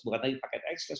bukan lagi paket express